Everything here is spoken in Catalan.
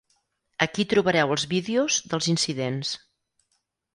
Aquí trobareu els vídeos dels incidents.